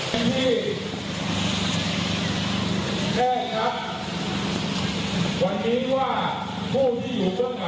ท่านพี่แท้ครับวันนี้ว่าผู้ที่อยู่ต้นหาการชมนุม